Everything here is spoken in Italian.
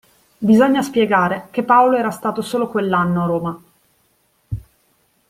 Bisogna spiegare che Paolo era stato solo quell'anno a Roma.